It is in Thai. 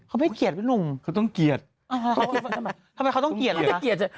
เขาไม่เกลียดไหมหนุ่มเขาต้องเกลียดทำไมเขาต้องเกลียดล่ะค่ะ